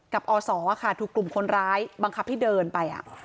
กับอสค่ะถูกกลุ่มคนร้ายบังคับที่เดินไป